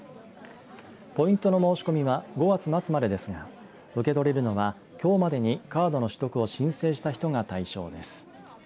ポイントの申し込みは５月末までですが受け取れるのはきょうまでにカードの取得を申請した人が対象です。